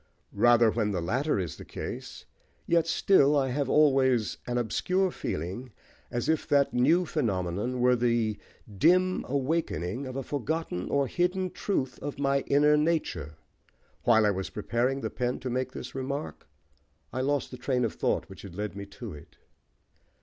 Even when the latter is the case, yet still I have always an obscure feeling, as if that new phenomenon were the dim awaking of a forgotten or hidden truth of my inner nature. While I was preparing the pen to make this remark, I lost the train of thought which had led me to it."